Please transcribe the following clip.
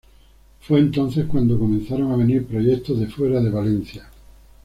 Fue entonces cuando comenzaron a venir proyectos de fuera de Valencia.